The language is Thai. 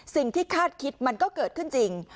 สิ่งที่คาดคิดมันก็เกิดขึ้นจริง